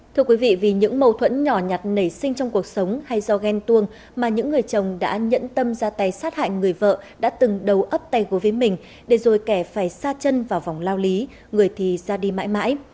thưa quý vị vì những mâu thuẫn nhỏ nhặt nảy sinh trong cuộc sống hay do ghen tuông mà những người chồng đã nhẫn tâm ra tay sát hại người vợ đã từng đầu ấp tay gố với mình để rồi kẻ phải xa chân vào vòng lao lý người thì ra đi mãi mãi